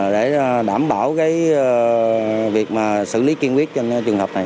để đảm bảo cái việc mà xử lý kiên quyết trên trường hợp này